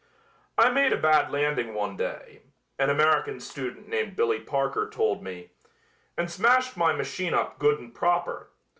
"I made a bad landing one day," an American student named Billy Parker told me, "and smashed my machine up good and proper.